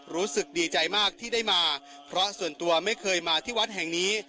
รู้สึกดีใจมากที่ได้มาเพราะส่วนตัวไม่เคยมาที่วัดแห่งนี้